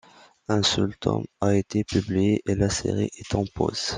Un seul tome a été publié et la série est en pause.